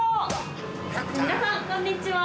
皆さん、こんにちは。